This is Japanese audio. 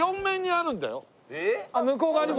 あっ向こう側にも。